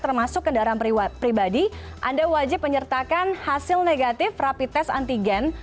termasuk kendaraan pribadi anda wajib menyertakan hasil negatif rapi tes antigen